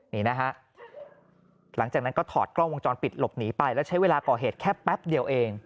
นี่นะฮะหลังจากนั้นก็ถอดกล้องวงจรปิดหลบหนีไปแล้วใช้เวลาก่อเหตุแค่แป๊บเดียวเอง